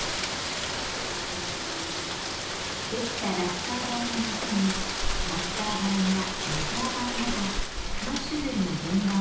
できたラッカー盤をもとにマスター盤やマザー盤など３種類の原盤を作製。